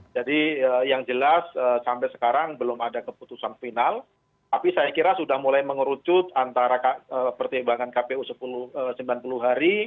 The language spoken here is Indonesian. jadi yang jelas sampai sekarang belum ada keputusan final tapi saya kira sudah mulai mengerucut antara pertimbangan kpu sembilan puluh hari